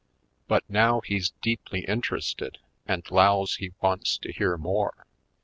But now he's deeply interested and 'lows he wants to hear more.